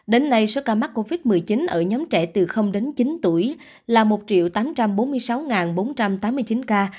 đến nay số ca mắc covid một mươi chín ở nhóm trẻ từ đến chín tuổi là một tám trăm bốn mươi sáu bốn trăm tám mươi chín ca